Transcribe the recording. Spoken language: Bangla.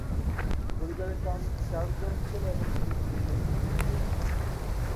পরিবারের চারজন ছেলে এবং তিন মেয়ের মধ্যে তিনি জ্যেষ্ঠ ছিলেন।